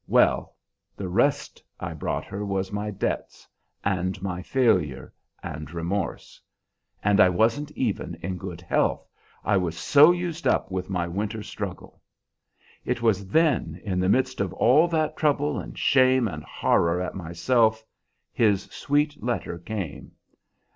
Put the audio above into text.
Well, the 'rest' I brought her was my debts and my failure and remorse; and I wasn't even in good health, I was so used up with my winter's struggle. It was then, in the midst of all that trouble and shame and horror at myself, his sweet letter came.